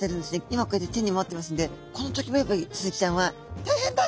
今こうやって手に持っていますんでこの時もやっぱりスズキちゃんは「大変だ！